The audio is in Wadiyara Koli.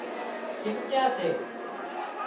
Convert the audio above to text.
چمچا سي